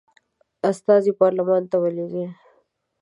استازي پارلمان ته ولیږي.